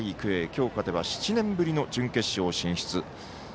今日、勝てば７年ぶりの準決勝進出。